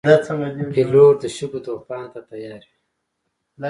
پیلوټ د شګو طوفان ته تیار وي.